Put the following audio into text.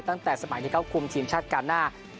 ตั้งแต่สมัยที่เขาคุมทีมชาติกาหน้า